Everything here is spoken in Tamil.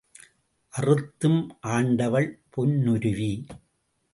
அறுத்தும் ஆண்டவள் பொன்னுருவி.